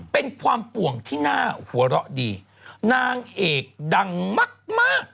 เป็นความป่วงที่น่าหัวเราะดีนางเอกดังมากมาก